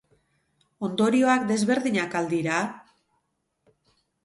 Ondorioak desberdinak al dira?